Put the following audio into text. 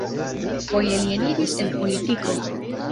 Foje li eniris en politiko.